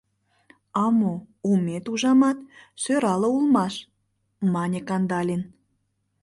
— А мо, омет, ужамат, сӧрале улмаш! — мане Кандалин.